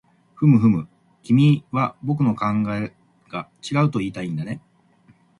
ふむふむ、君は僕の考えが違うといいたいんだね